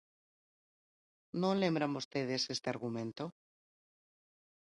¿Non lembran vostedes este argumento?